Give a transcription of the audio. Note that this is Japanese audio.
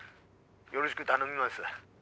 よろしぐ頼みます。